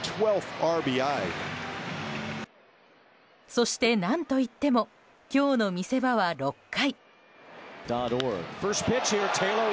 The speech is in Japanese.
そして、何といっても今日の見せ場は６回。